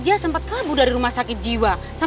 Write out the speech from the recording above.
jalan dulu ya